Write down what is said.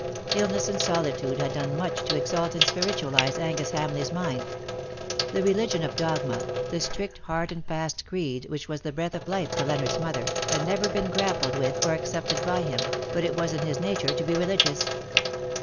Illness and solitude had done much to exalt and spiritualize Angus Hamleigh''s mind. The religion of dogma, the strict hard and fast creed which was the breath of life to Leonardos mother, had never been grappled with or accepted by him — but it was in his nature to be religious.